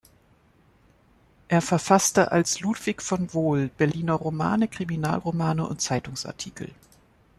Er verfasste als "Ludwig von Wohl" Berliner Romane, Kriminalromane und Zeitungsartikel.